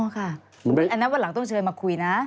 อันนั้นวันหลังต้องเชิญมาคุยนะ